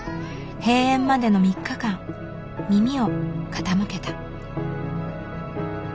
閉園までの３日間耳を傾けた。